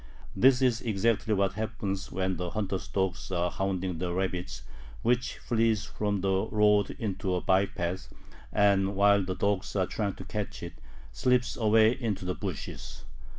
This is exactly what happens when the hunter's dogs are hounding the rabbit which flees from the road into a by path, and, while the dogs are trying to catch it, slips away into the bushes.